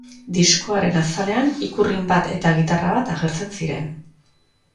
Diskoaren azalean ikurrin bat eta gitarra bat agertzen ziren.